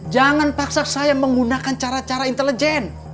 jangan paksa saya menggunakan cara cara intelijen